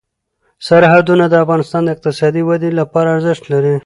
سرحدونه د افغانستان د اقتصادي ودې لپاره ارزښت لري.